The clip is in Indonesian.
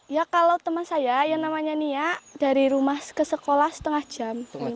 ya kalau teman saya yang namanya nia dari rumah ke sekolah setengah jam